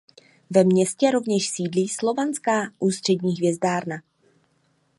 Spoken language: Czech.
Ve městě rovněž sídlí Slovenská ústřední hvězdárna.